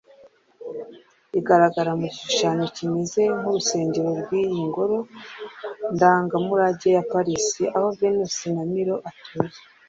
igaragara mu gishushanyo kimeze nk'urusengero cy'iyi ngoro ndangamurage ya Paris aho Venus de Milo ituye